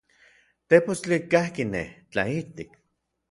Tepostli kajki nej, tlaijtik.